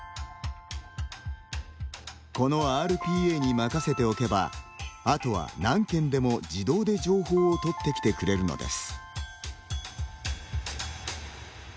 このＲＰＡに任せておけばあとは、何件でも自動で情報をとってきてくれるのです。